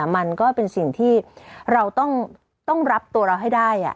มันก็เป็นสิ่งที่เราต้องรับตัวเราให้ได้